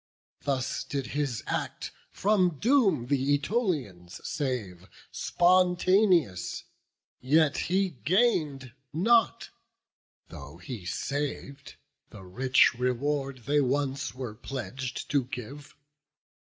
Thus did his act from doom th' Ætolians save Spontaneous; yet he gain'd not, though he sav'd, The rich reward they once were pledg'd to give.